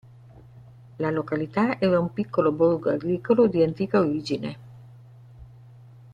La località era un piccolo borgo agricolo di antica origine.